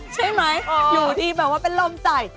ใช่ไหมอยู่ดีแบบว่าเป็นลมใส่